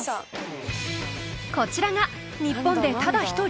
こちらが日本でただ１人！？